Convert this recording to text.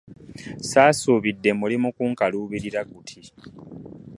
Ssaasuubidde mulimu kunkaluubirira guti!